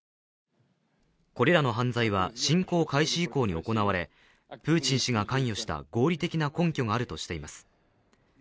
これらの犯罪は、侵攻開始以降に行われ、プーチン氏が関与した合理的な根拠があるとしています。